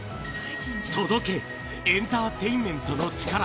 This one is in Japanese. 届けエンターテインメントの力。